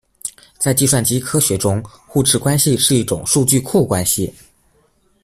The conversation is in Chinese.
在计算机科学中，互斥关系是一种数据库关系。